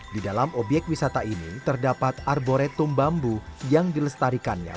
di dalam obyek wisata ini terdapat arboretum bambu yang dilestarikannya